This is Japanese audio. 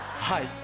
はい。